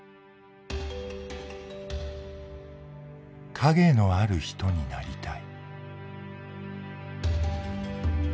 「陰のある人になりたい」。